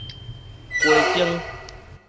雞精